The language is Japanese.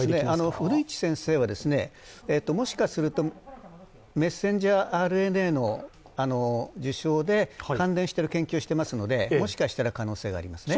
古市先生は、もしかするとメッセンジャーＲＮＡの授賞で関連している研究をしていますので、もしかしたら可能性があります。